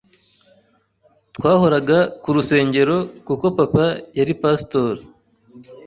twahoraga ku rusengero kuko papa yari pastor